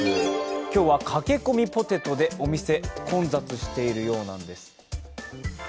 今日は駆け込みポテトでお店、混雑しているようなんです。